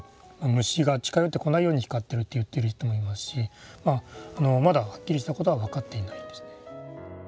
虫が近寄ってこないように光ってるって言ってる人もいますしまだはっきりしたことは分かっていないんですね。